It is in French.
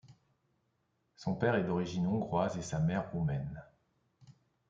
Son père est d'origine hongroise et sa mère roumaine.